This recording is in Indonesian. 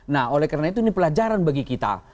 nah oleh karena itu ini pelajaran bagi kita